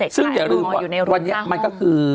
ซึ่งให้รู้ว่าวันนี้มันก็คือ